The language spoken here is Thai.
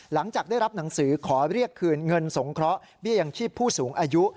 หลังจากได้รับหนังสือขอเรียกคืนเงินสงเคราะห์เบี้ยยังชีพผู้สูงอายุ